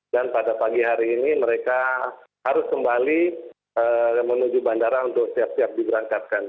dan pada pagi hari ini mereka harus kembali menuju bandara untuk siap siap diberangkatkan